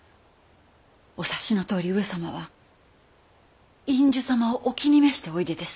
お察しのとおり上様は院主様をお気に召しておいでです。